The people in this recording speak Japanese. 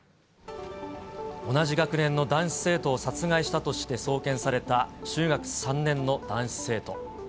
同じ学年の男子生徒を殺害したとして送検された中学３年の男子生徒。